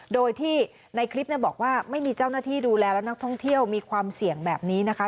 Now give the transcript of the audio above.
โดยที่ในคลิปบอกว่าไม่มีเจ้าหน้าที่ดูแลแล้วนักท่องเที่ยวมีความเสี่ยงแบบนี้นะคะ